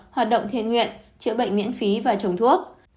hoạt động thiện nguyện chữa bệnh miễn phí và trồng thuốc